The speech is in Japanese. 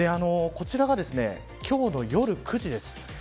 こちらが今日の夜９時です。